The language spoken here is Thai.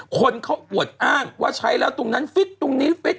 คนเขาอวดอ้างว่าใช้แล้วตรงนั้นฟิตตรงนี้ฟิต